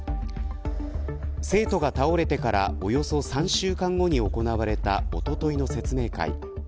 生徒が倒れてからおよそ３週間後に行われたおとといの説明会。